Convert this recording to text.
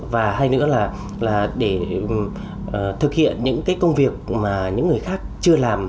và hai nữa là để thực hiện những cái công việc mà những người khác chưa làm